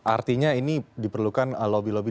artinya ini diperlukan lobby lobby